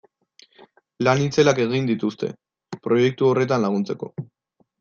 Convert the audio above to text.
Lan itzelak egin dituzte proiektu horretan laguntzeko.